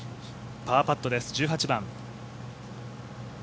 パーパットです、１８番。